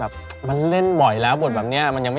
อันนี้เล่นกับพี่ท็อปด้วยนะ